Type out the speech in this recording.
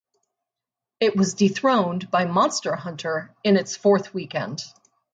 It was dethroned by "Monster Hunter" in its fourth weekend.